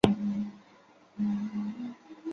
山地人的后裔。